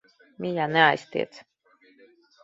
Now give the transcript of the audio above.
Mīļā, neaiztiec.